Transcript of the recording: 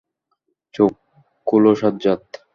চোখ খোলো সাজ্জাদ।